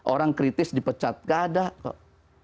orang kritis dipecat gak ada kok